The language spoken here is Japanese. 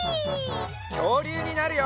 きょうりゅうになるよ！